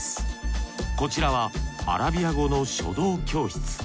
こちらはアラビア語の書道教室。